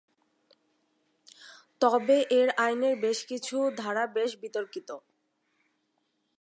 তবে এর আইনের বেশ কিছু ধারা বেশ বিতর্কিত।